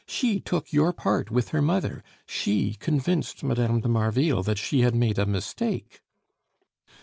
She took your part with her mother. She convinced Mme. de Marville that she had made a mistake."